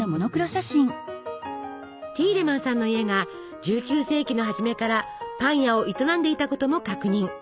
ティーレマンさんの家が１９世紀の初めからパン屋を営んでいたことも確認。